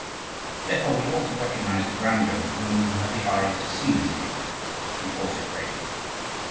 Therefore we ought to recognize the grandeur of the woman who had the eyes to see this future and fought it bravely.